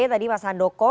tadi mas handoko